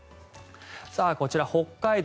こちら、北海道